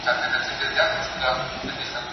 کله چې مرچ پخیږي نو رنګ یې له شین څخه په سور بدلیږي.